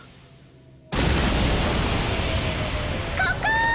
ここ！